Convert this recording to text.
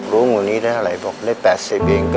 ลุงวันนี้ได้อะไรบอกได้๘๐อิงก็